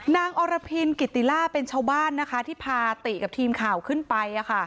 อรพินกิติล่าเป็นชาวบ้านนะคะที่พาติกับทีมข่าวขึ้นไป